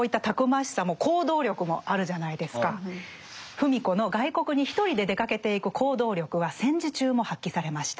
芙美子の外国に一人で出かけていく行動力は戦時中も発揮されました。